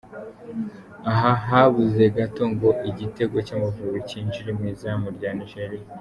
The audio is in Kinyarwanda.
Aha habuze gato ngo igitego cy’Amavubi cyinjire mu izamu rya Nigeria.